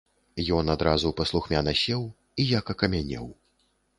Ён адразу паслухмяна сеў і як акамянеў.